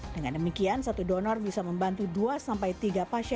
dengan demikian satu doa tersebut jadi pengalaman tersebut pada pihak pelaku tersebut